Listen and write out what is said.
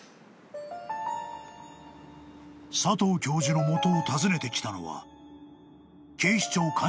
［佐藤教授の元を訪ねてきたのは］